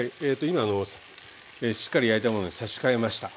今しっかり焼いた物に差し替えました。